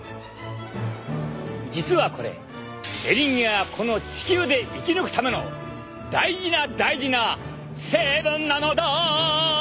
実はこれエリンギがこの地球で生き抜くための大事な大事な成分なのだ！